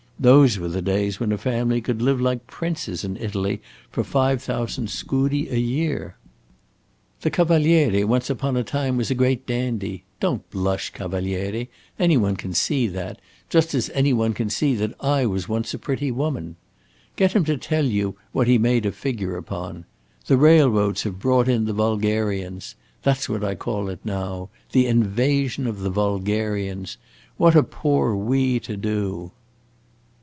Those were the days when a family could live like princes in Italy for five thousand scudi a year. The Cavaliere once upon a time was a great dandy don't blush, Cavaliere; any one can see that, just as any one can see that I was once a pretty woman! Get him to tell you what he made a figure upon. The railroads have brought in the vulgarians. That 's what I call it now the invasion of the vulgarians! What are poor we to do?"